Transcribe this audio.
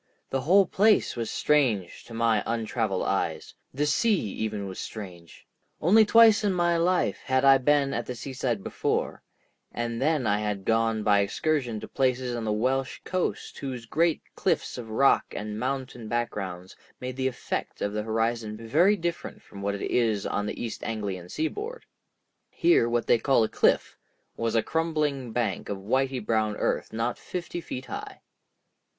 The whole place was strange to my untraveled eyes; the sea even was strange. Only twice in my life had I been at the seaside before, and then I had gone by excursion to places on the Welsh coast whose great cliffs of rock and mountain backgrounds made the effect of the horizon very different from what it is upon the East Anglian seaboard. Here what they call a cliff was a crumbling bank of whitey brown earth not fifty feet high.